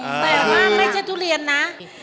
แต่ว่าไม่ใช่ทุเรียนนะ